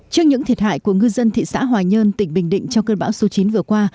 trước những thiệt hại của ngư dân thị xã hòa nhơn tỉnh bình định trong cơn bão số chín vừa qua